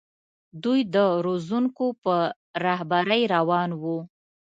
دوی د روزونکو په رهبرۍ روان وو.